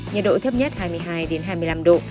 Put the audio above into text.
nhiệt độ thấp nhất hai mươi hai hai mươi năm độ